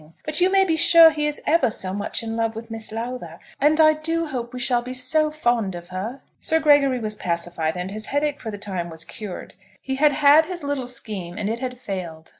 But you may be sure he is ever so much in love with Miss Lowther; and I do hope we shall be so fond of her!" Sir Gregory was pacified and his headache for the time was cured. He had had his little scheme, and it had failed.